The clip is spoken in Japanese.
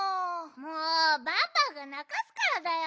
もうバンバンがなかすからだよ。